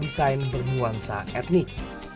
desain bermuansa etnik